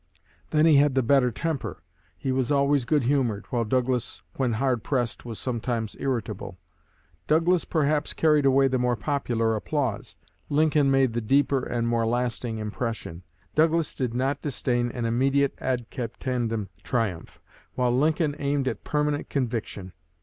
Then he had the better temper; he was always good humored, while Douglas, when hard pressed, was sometimes irritable. Douglas perhaps carried away the more popular applause; Lincoln made the deeper and more lasting impression. Douglas did not disdain an immediate ad captandum triumph; while Lincoln aimed at permanent conviction.